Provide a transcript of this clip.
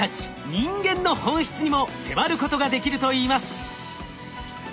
人間の本質にも迫ることができるといいます。